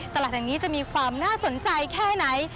ตลาดแห่งนี้จะมีความน่าสนใจแค่ไหน